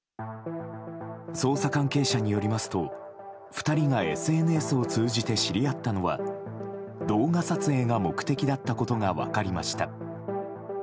捜査関係者によりますと２人がＳＮＳを通じて知り合ったのは動画撮影が目的だったことが分かりました。